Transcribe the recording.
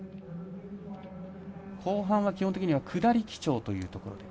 後半は基本的には下り基調というところ。